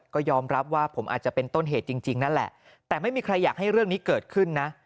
ก็ยอมรับว่าผมอาจจะเป็นต้นเหตุจริงนั่นแหละแต่ไม่มีใครอยากให้เรื่องนี้เกิดขึ้นนะ